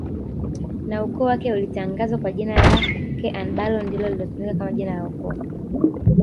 na ukoo wake ulitangazwa kwa jina lake anbalo ndilo lilitumika kama jina la ukoo